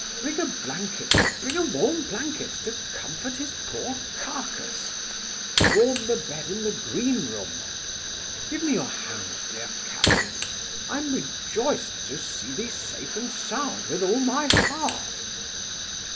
bring a blanket bring a warm blanket to comfort his poor carcase warm the bed in the green room give me your hand, dear captain I'm rejoiced to see thee safe and sound with all my heart.